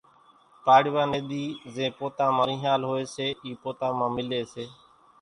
پاڙوا ني ۮي زين پوتا مان رينۿال ھوئي سي اِي پوتا مان ملي سي